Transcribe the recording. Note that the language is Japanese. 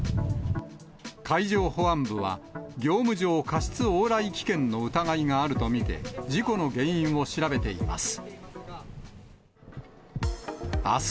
海上保安部は、業務上過失往来危険の疑いがあると見て、事故の原因を調べています。